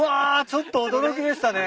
ちょっと驚きでしたね。